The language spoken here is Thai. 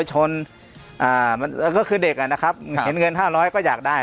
ชนอ่ามันก็คือเด็กอ่ะนะครับเห็นเงินห้าร้อยก็อยากได้